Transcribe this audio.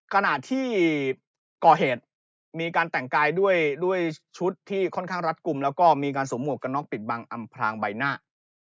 ขณะที่ผู้ก่อเหตุมีการแต่งกายด้วยชุดที่ค่อนข้างรัดกลุ่มแล้วก็มีการสวมหวกกันน็อกปิดบังอำพลางใบหน้า